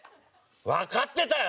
わかってたよ！